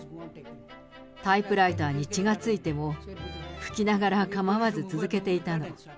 タイプライターに血がついても拭きながら構わず続けていたの。